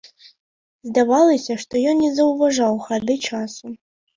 Здавалася, што ён не заўважаў хады часу.